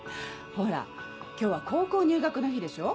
ほら今日は高校入学の日でしょ？